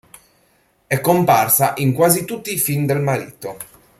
È comparsa in quasi tutti i film del marito.